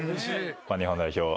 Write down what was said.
日本代表